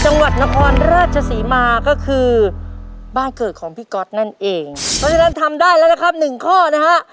จังหวัดนครราชศรีมาก็คือบ้านเกิดของพี่ก๊อตนั่นเองเพราะฉะนั้นทำได้แล้วนะครับหนึ่งข้อนะฮะ